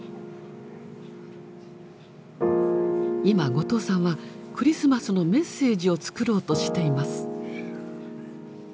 今後藤さんはクリスマスのメッセージを作ろうとしています。